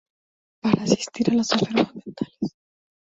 Para asistir a los enfermos mentales.